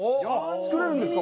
作れるんですか？